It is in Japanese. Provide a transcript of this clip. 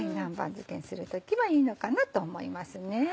漬けにする時はいいのかなと思いますね。